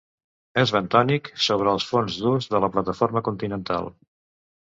És bentònic sobre els fons durs de la plataforma continental.